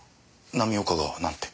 浪岡がなんて？